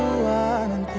sampai tua nanti